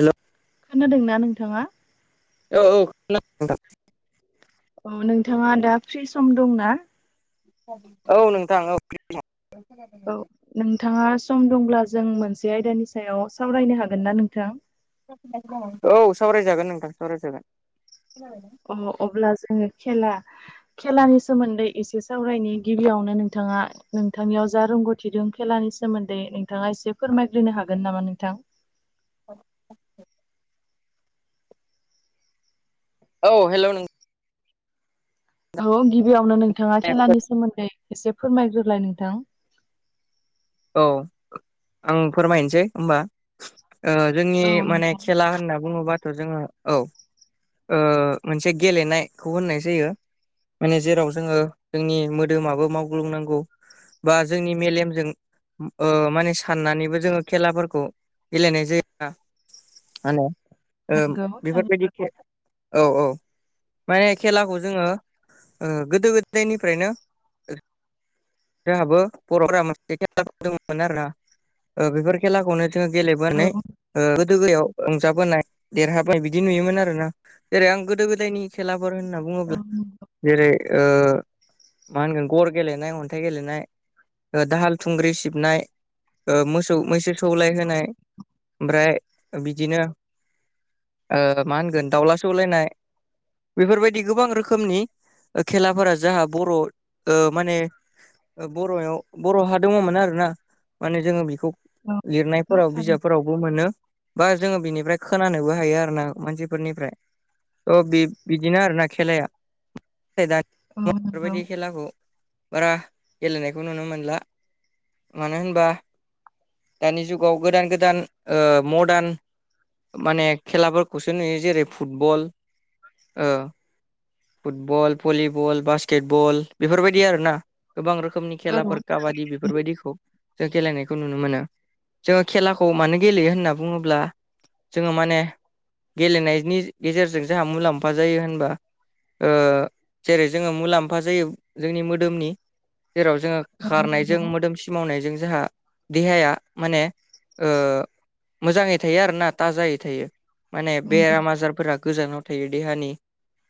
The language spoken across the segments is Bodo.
हेल' खोनादोंना नोंथाङा? औ औ खोनादों नोंथां। औ नोंथाङा दा फ्रि सम दंना? औ नोंथां औ फिरि दं। औ नोंथाङा सम दंब्ला जों मोनसे आयदानि सायाव सावरायनो हागोन ना नोंथां? औ सावरायजागोन नोंथां सावरायजागोन। अ अब्ला जोङो खेला खेलानि सोमोन्दै एसे सावरायनि गिबियावनो नोंथाङा नोंथांनियाव जा रोंगौथि दं खेलानि सोमोन्दै नोंथाङा एसे फोरमायग्रोनो हागोन नामा नोंथां? [unintelligible] औ हेलौ नों औ गिबियावनो नोंथाङा नोंथां खेलानि सोमोन्दै एसे फोरमायग्रोलाय नोंथां। औ आं फोरमायनोसै होनबा। जोंनि औ माने नोंथां खेला होनना बुङोबाथ जोसङो औ। मोनसे गेलेनायखौ होननाय जायो। माने जेराव जोङो जोंनि मोदोमाबो मावग्लुंनांगौ बा जोंनि मेलेमजों माने साननानैबो जोङो खेलाफोरखौ गेलेनाय जायो। माहोनो नंगौ थारै बेफोरबायदि औ औ। माने खेलाखौ जोङो गोदो गोदायनिफ्रायनो जोंहाबो बर'फोरा खेलाफोर दंमोन आरो ना बेफोर खेलाखौनो जोङो औ गेलेबोनानै गोदो गोदायाव रंजाबोनाय देरहाबाय बिदि नुयोमोन आरोना जेरै आं गोदो गोदायनि खेलाफोर औ होननानै नंगौ [unintelligible] जेरै मा होनगोन गर गेलेनाय अन्थाइ गेलेनाय दाहाल थुंग्रि सिबनाय मोसौ मैसो सौलाय होनाय ओमफ्राय बिदिनो मा होनगोन दाउला सौलायनाय। बेफोरबायदि गोबां रोखोमनि खेलाफोरा जाहा बर' माने बर'आव बर'हा दङमोन आर ना माने जोङो बेखौ औ लिरनायफोराव थारै बिजाबफोराव मोनो बा जोङो बिनिफ्राय खोनानोबो हायो आरो ना मानसिफोरनिफ्राय अ बि बिदिनो आरोना खेलाया दा औ नंगौ बेफोरबायदि खेलाखौ बारा गेलेनायखौ नुनो मोनला। मानो होनबा दानि जुगाव गोदान गोदान ओ मडार्न माने खेलाफोरखौसो नुयो जेरै फुटबल ओ फुटबल भलिबल बास्केटबल बेफोरबायदि आरोना गोबां रोखोमनि औ खेला काबादि बेफोरबायदिखौ जों गेलेनायखौ नुनो मोनो। जोङो खेलाखौ मानो गेलेयो होनना बुङोब्ला जोङो माने गेलेनायनि गेजेरजों जोंहा मुलाम्फा जायो होनबा जेरै जोङो मुलाम्फा जायो जोंनि मोदोमनि जेराव जोङो नंगौ खारनायजों नंगौ मोदोमसि मावनायजों जाहा देहाया माने ओ मोजाङै थायो आरो ना थाजायै थायो माने नंगौ बेराम आजारफोरा गोजानाव थायो देहानि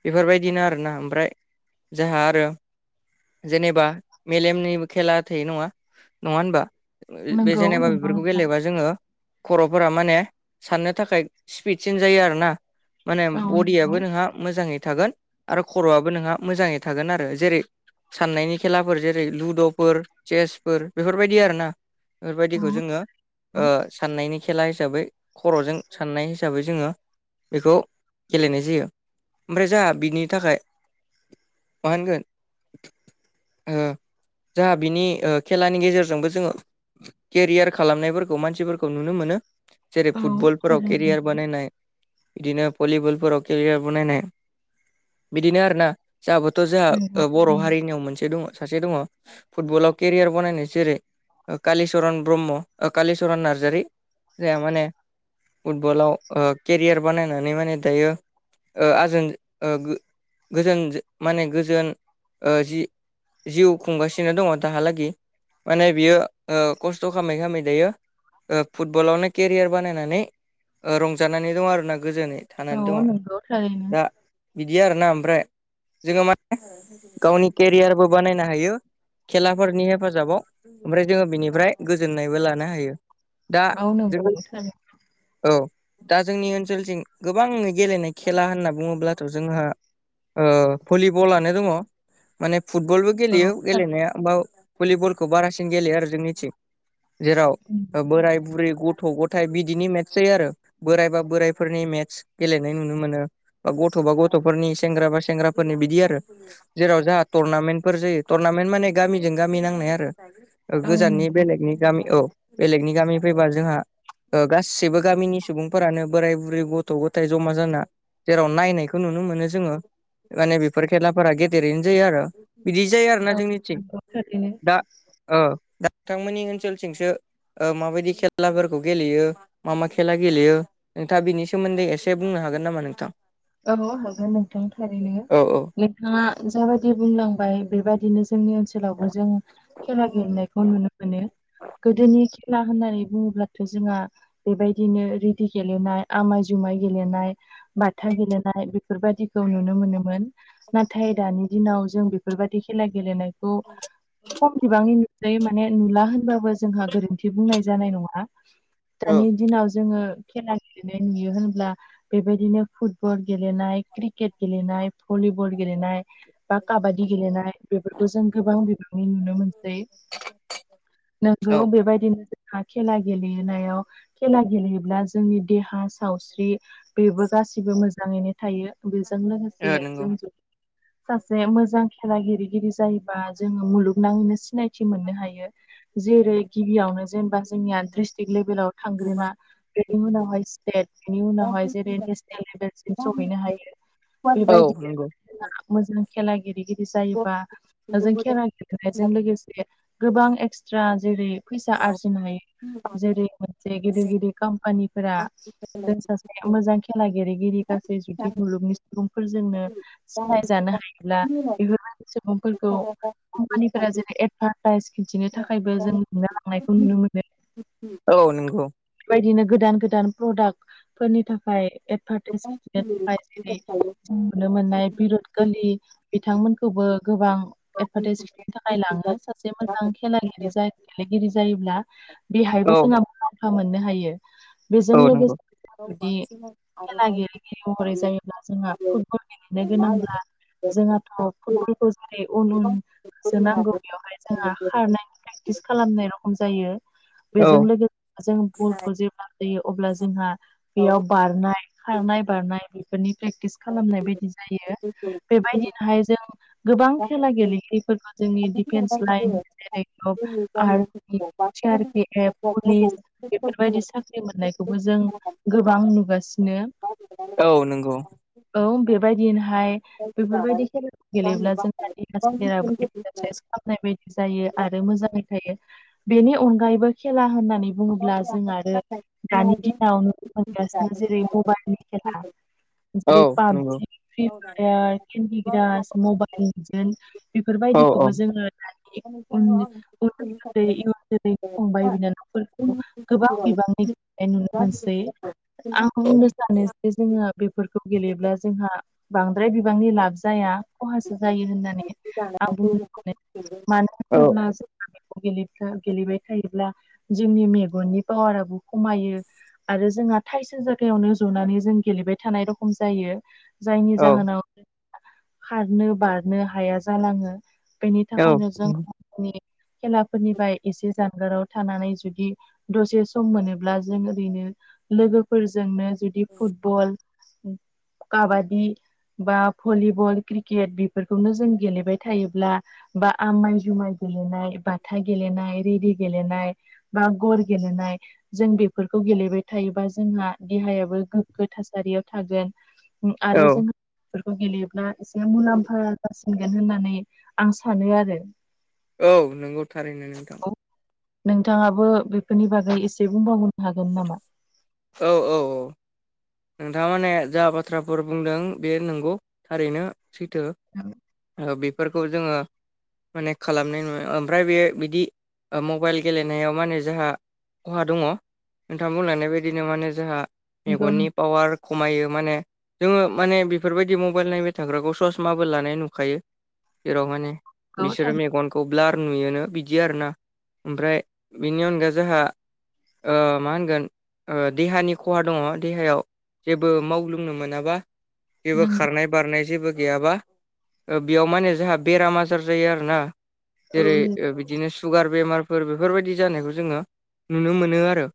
बेफोरबायदिनो आरोना ओमफ्राय जोंहा आरो जेनेबा मेलेमनि खेला थयो नङा नङा होनबा बे नंगौ जेनेबा नंगौ बेफोरखौ नोंथां गेलेबा जोङो खर'फोरा माने साननो थाखाय स्पिडसिन जायो आरोना। माने औ नंगौ बडियाबो नोंहा मोजाङै थागोन आरो खर'आबो नोंहा मोजाङै थागोन आरो जेरै सान्नायनि खेलाफोर जेरै लु दुफोर चेसफोर बेफोरबायदि आरोना औ बेफोरबायदिखौ जोङो औ साननायनि खेला हिसाबै खर'जों साननाय हिसाबै जोङो बेखौ गेलेनाय जायो ओमफ्राय जोंहा बिनि थाखाय मा होनगोन ओ जाहा बिनि खेलानि गेजेरजोंबो जोङो केरियार खालामनायफोरखौ मानसिफोरखौ नुनो मोनो जेरै औ फुटबलफोराव थारैनो केरियार नंगौ बानायनाय बिदिनो भलिबलफोराव केरियार बनायनाय बिदिनो आरोना जोंहाबोथ नंगौ जोंहा बर' थारैनो हारिनियाव मोनसे दङ सासे दङ फुटबलाव केरियार बनायनाय जेरै कालिचरन ब्रह्म कालिचरन नार्जारि जोंहा माने फुटबलाव केरियार बानायनानै माने दायो आजोन गो गोजोन माने गोजोन जि जिउ खुंगासिनो नो दङ दाहालागै माने बियो खस्थ' खालामै खालामै दायो फुटबलावनो केरियार बानायनानै रंजानानै दं आरोना गोजोन थानानै दङ औ नंगौ थारैनो दा बिदि आरोना ओमफ्राय जोङो माने गावनि केरियारबो बानायनो हायो खेलाफोरनि हेफाजाबाव ओमफ्राय जोङो बिनिफ्राय गोजोननायबो लानो हायो दा औ नंगौ जोङो थारैनो औ दा जोंनि ओनसोलथिं गोबां गेलेनाय खेला होनना बुङोब्लाथ' जोंहा भलिबलानो दङ माने फुटबलबो गेलेयो औ थारैनो [unintelligible] भलिबलखौ बारासिन गेलेयो आरो जोंनिथिं जेराव बोराय बुरै गथ' गथ थाय बिदिनि मेट्स जायो आरो बोरायबा बोराइफोरनि मेटस गेलेनाय नुनो मोनो बा गथ' बा गथ'फोरनि सेंग्रा बा सेंग्राफोरनि बिदि आरो जेराव जाहा टुरनामेन्टफोर जायो टुरनामेन्ट माने गामिजों गामि नांनाय आरो औ गोजाननि नंगौ बेलेगनि गामि औ बेलेगनि गामिनि फैबा जोंहा गासिबो गामिनि सुबुंफोरानो बोराय बुरै गथ' गथाय जमा जाना जेराव नायनायखौ नुनो मोनो जोङो माने बेफोर खेलाफोरा गेदेरैनो जायो आरो बिदि जाया औ जोंनिथिं नंगौ थारैनो दा ओ दा नोंथांमोननि ओनसोलथिंसो माबायदि खेलाफोरखौ गेलेयो मा मा खेला गेलेयो नोंथाङा बिनि सोमोन्दै एसे बुंनो हागोन नामा नोंथां औ हागोन नोंथां थारैनो औ औ नोंथाङा जाबायदि बुंलांबाय बेबायदिनो जोंनि ओनसोलावबो जों खेला गेलेनायखौ नुनो मोनो गोदोनि खेला होननानै बुङोब्लाथ' जोंहा बेबायदिनो रेदि गेलेनाय आमाय जुमाय गेलेनाय बाथा गेलेनाय बेफोरबायदिखौ नुनो मोनोमोन नाथाय दानि दिनाव जों बेफोरबायदि खेला गेलेनायखौ खम बिबांनि नु जै माने नुला होनबाबो जोंहा गोरोन्थि बुंनाय जानाय नङा दानि औ दिनाव जोङो खेला गेलेनाय नुयो होनब्ला बेबायदिनो फुटबल गेलेनाय क्रिकेट गेलेनाय भलिबल गेलेनाय बा काबादि गेलेनाय बेफोरखौ जों गोबां बिबांनि नुनो मोनसै नंगौ बेबायदिनो जों हा खेला गेलेनाव खेला गेलेयोब्ला जोंनि देहा सावस्रि बेबो गासिबो मोजाङैनो थायो बेजों औ लोगोसे नंगौ जों ज'यै सासे मोजां खेला गेलेगिरि जायोबा जोङो मुलुगनाङैनो सिनायथि मोननो हायो जेरै गिबियावनो जेनेबा जोंनिया ड्रिस्ट्रिक लेभेलाव थांग्रोना बेनि उनावहाय स्टेट बेनि उनावहाय जेरै नेस नेलसिम सहैनो हायो औ बेबायदिनो ओ नंगौ जोंहा मोजां खेला गेलेगिरिद जायोबा जों खेला ओ गेलेनायजों लोगोसे गोबां एक्सट्रा जेरै फैसा आरजिनो हायो जेरै मोनसे गिदिर गिदिर कम्पानिफोरा जों सासे मोजां खेला गेलेगिरि गासै जुदि मुलुगनि सुबुंफोरजोंनो सिनायजानो हायोब्ला बेफोरबायदि सुबुंफोरखौ कम्पानिफोरा जेरै एडभान्सो प्राइज खिन्थिनो थाखायबो जों नुनो लांनायखौ नुनो मोनो। औ नंगौ बेदिनो गोदान गोदान प्रडाक्ट फोरनि थाखाय एडभारटाइस खिन्थिनो थाखाय जेरै [unintelligible] नुनो मोननाय बिरात कलि बिथांमोनखौबो गोबां एदभार्टाइस खालामनो थाखाय लाङो सासे मोजां खेला गेलेगिरि जायोब्ला। बेहायबो औ जोंहा मुलाम्फा मोननो हायो बेजों औ नंगौ लोगोसे जों जुदिओ खेला गेले महरै जायोब्ला जोंहा फुटबल गेलेनो गोनांब्ला जोंहाथ' फुटबलखौ जेरै उन उन होसो नांगौ बेवहाय जोंहा खारनायनि थाखायो प्रेक्टिस खालामनाय रखम जायो औ बेजों लोगोसे जों बलखौ जेब्लाओ जायो अब्ला जोंहा बेयाव बारनाय खारनाय बारनाय बेफोरनि प्रेक्टिसो खालामनाय बायदि जायो बेबायदिनोहाय जोंङो गोबां खेला गेलेगिरिफोरखौ जोंनि डिफेन्स लाइन जेरै army C R P F, police बेफोरबायदि साख्रि मोननायखौबो जों गोबां नुगासिनो। औ नंगौ। औ बेबायदिनोहायो बेफोरबायदि खेला गेलेब्ला जोंना सोलेरो एखसारसाइस खामनाय बायदि जायो आरो मोजाङै थायो बेनि अनगायैबो खेला होननानै बुं बुङोब्ला जों आरो दानि दिनावनो मोनगासिनो जेरै मबाइलनि खेला औ जेरै नंगौ PUBG Free Fire Candy Crush मबाइलजोंनो औ बेफोरबायदिखौबो जोङो इयुन जोलै फंबाय बिनानावफोरो गोबां बिबांनि गन नुनो मोनसै आं औ बुंनो सानो जे जोङो बेफोरखौ गेलेयोब्ला जोंहा बांद्राय बिबांनि लाब जाया। खहासो जायो होननानै आं बुंनो सानो मानो होनोब्ला जोंङो गेलेबाय थायोब्ला जोंनि मेगननि पावाराबो खमायो। आरो जोंहा थाइसे जायागायावनो जनानै जों गेलेबाय थानाय रखमो खम जायो जायनि औ जाहोनावो खारनो बारनो हाया जालाङो बेनि औ थाखायनो जोंङो नि खेलाफोरनिफ्राय एसे जानगाराव थानानै जुदियो दसे सम मोनोब्ला जों ओरैनो लोगोफोरजोंनो जुदि फुटबल काबादि बा भलिबल क्रिकेट बेफोरखौनो जों गेलेबाय थायोब्ला बा आमाइ जुमाय गेलेनाय बाथा गेलेनाय रेदि गेलेनायो बा गर गेलनाय जों बेफोरखौ गेलेबाय थायोबा जोंहा देहायाबो गोग्गो थासारियाव थागोन आरो जोंफोरखौ गेलेयोब्ला एसे मुलाम्फा जासिनो। होननानै आं सानो आरो। औ नंगौ थारैनो नोंथां। नोंथाङाबो बेफोरनि बागै एसे बुंबावनो हागोन नामा? औ औ। ओ नोंथां माने जा बाथ्राफोर बुंदों बे नंगौ थारैनो सैथो [unintelligible] बेफोरखौ जोङो। माने खालामनाय नुयो ओमफ्राय बे बिदि मबाइल गेलेनायाव माने जोंहा खहा दङ नोंथां बुंलायनाय बायदिनो माने जोंहा नंगौ मेगननिबो पावार खमायो माने जोङो माने बेफोरबायदि मबाइल नायबाय थाग्राखौ सर्स माबो लानाय नुखायो जेराव माने नंगौ बिसोरो थार मेगनखौ ब्लार नुयोनो बिदि आरोना ओमफ्राय बिनि अनगा जोंहा ओ मा होनगोन देहानि खहा दङ देहायाव जेबो मावग्लुंनो मोनाबा जेबो नंगौ खारनाय बारनाय जेबो गैयाबा ओ बेयाव माने जोंहा बेराम आजार जायो आरोना औ जेरै नंगौ बिदिनो सुगार बेमारफोर बेफोरबायदि जानायखौ जोङो नुनो मोनो आरो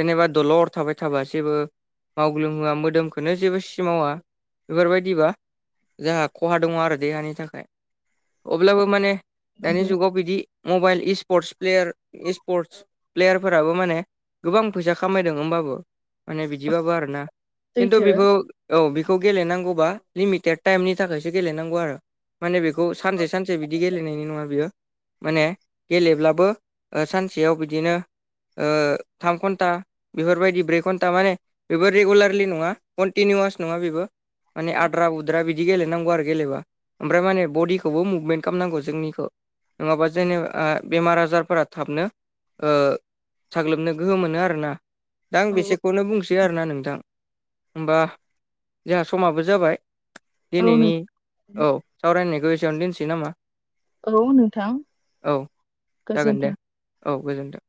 जेनेबा दलत थाबाय थाबा जेबो मावग्लुंहोआ मोदोमखनो जेबो सिमावा बेफोरबायदिबा जोंहा खहा दङ आरो देहानि थाखाय अब्लाबो माने दानि नंगौ जुगाव बिदि मबाइल इसफरत प्लेयार इसफरत प्लेयारफोराबो माने गोबां फैसा खामायदों होमबाबो माने बिदिबाबो आरो खिन्थु सैथो बेखौ औ बेखौ गेलेनांगौबा लिमिटेड टाइमनि थाखायसो गेलेनांगौ आरो माने बेखौ सानसे सानसे बिदि गेलेनायनि नङा बियो माने गेलेब्लाबो ओ सानसेयाव बिदिनो ओ थाम घन्टा बेफोरबायदि ब्रै घन्टा माने बेबो रेगुलारलि नङा कन्टिनिवास नङा बेबो माने आद्रा उद्रा बिदि गेलेनांगौ आरो गेलेबा ओमफ्राय माने बडिखौबो मुभमेन्ट खामनांगौ जोंनिखौ नङाबा जेनेबा ओ बेमार-आजारफोरा थाबनो ओ साग्लोबनो गोहो मोनो आरोना दा आं औ बेसेखौनो बुंसै आरोना नोंथां होमबा जोंहा समाबो जाबाय औ नों दिनैनि औ सावरायनायखौ एसेयावनो दोनसै नामा औ नोंथां औ जागोन गोजोन्थों। दे औ गोजोनथों।